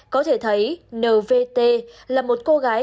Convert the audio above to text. có thể thấy n v t là một cô gái